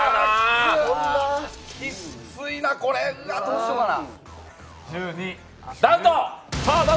きっついな、これ、どうしよかな。